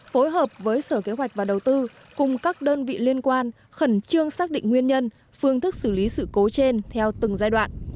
phối hợp với sở kế hoạch và đầu tư cùng các đơn vị liên quan khẩn trương xác định nguyên nhân phương thức xử lý sự cố trên theo từng giai đoạn